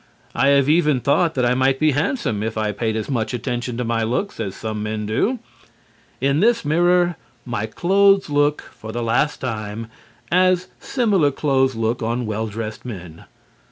I have even thought that I might be handsome if I paid as much attention to my looks as some men do. In this mirror, my clothes look (for the last time) as similar clothes look on well dressed men.